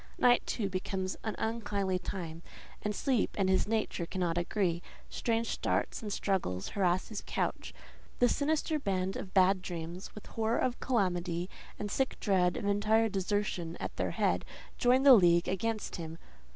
Night, too, becomes an unkindly time, and sleep and his nature cannot agree: strange starts and struggles harass his couch: the sinister band of bad dreams, with horror of calamity, and sick dread of entire desertion at their head, join the league against him.